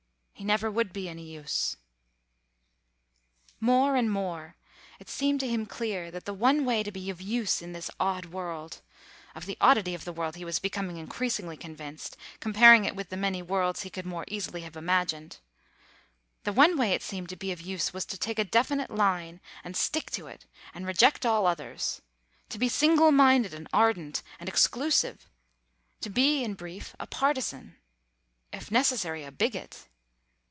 He never would be any use. More and more it seemed to him clear that the one way to be of use in this odd world of the oddity of the world he was becoming increasingly convinced, comparing it with the many worlds he could more easily have imagined the one way, it seemed, to be of use was to take a definite line and stick to it and reject all others; to be single minded and ardent, and exclusive; to be, in brief, a partisan, if necessary a bigot.